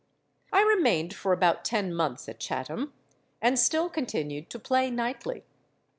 I remained for about ten months at Chatham, and still continued to play nightly.